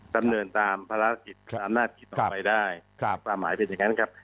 สำเนินตามภารกิจตามหน้าตลอดไปด้าห์ความหมายเป็นอย่างนั้นนะครับ